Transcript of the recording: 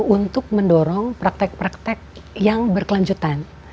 untuk mendorong praktek praktek yang berkelanjutan